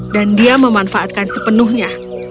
dan dia memanfaatkan sepenuhnya